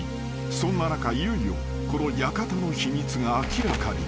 そんな中いよいよこの館の秘密が明らかに］